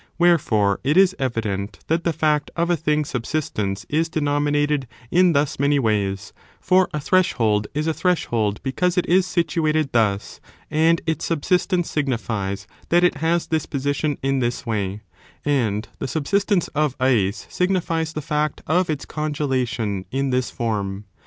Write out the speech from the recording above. Wherefore, it is evident that the &ct of a thing's 8ub> sistence is denominated in thus many ways, for a threshold is a threshold because it is situated thus, and its subsistence signifies that it has this position in this way ; and the sub sistence of ice signifies the fact of its congelation in this form.